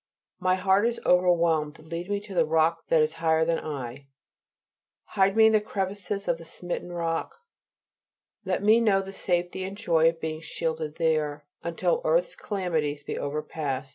"My heart is overwhelmed, lead me to the Rock that is higher than I." Hide me in the crevices of that smitten Rock; let me know the safety and joy of being shielded there, until earth's calamities be overpast.